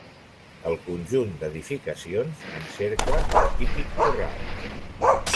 El conjunt d'edificacions encercla el típic corral.